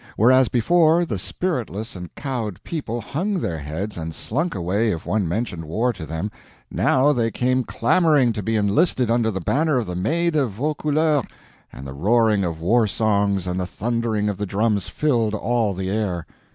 Whereas before, the spiritless and cowed people hung their heads and slunk away if one mentioned war to them, now they came clamoring to be enlisted under the banner of the Maid of Vaucouleurs, and the roaring of war songs and the thundering of the drums filled all the air.